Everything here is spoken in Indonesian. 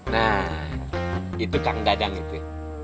nah itu kang dadang itu